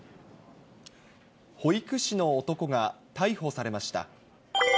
保育士の男が逮捕されました。